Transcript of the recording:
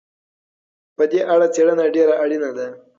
په دې اړه څېړنه ډېره اړينه ده.